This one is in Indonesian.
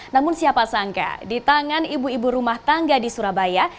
namun siapa sangka di tangan ibu ibu rumah tangga di surabaya